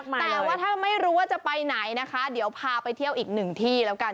แต่ว่าถ้าไม่รู้ว่าจะไปไหนนะคะเดี๋ยวพาไปเที่ยวอีกหนึ่งที่แล้วกัน